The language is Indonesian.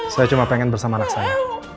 saya cuma pengen bersama anak saya